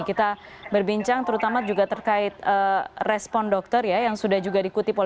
kita berbincang terutama juga terkait respon dokter yang sudah juga dikuti polisi